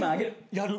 やる。